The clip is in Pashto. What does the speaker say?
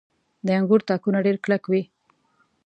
• د انګورو تاکونه ډېر کلک وي.